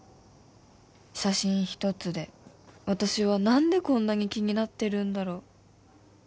写真一つで私は何でこんなに気になってるんだろう？